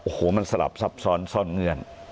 โอ้โหมันสลับซับซ้อนซ่อนเงื่อน